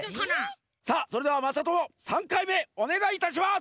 さあそれではまさとも３かいめおねがいいたします！